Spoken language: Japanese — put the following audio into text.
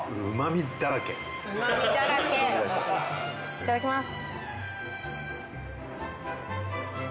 いただきます。